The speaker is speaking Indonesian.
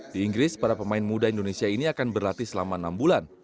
di inggris para pemain muda indonesia ini akan berlatih selama enam bulan